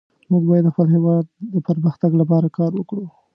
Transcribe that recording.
موږ باید د خپل هیواد د پرمختګ لپاره کار وکړو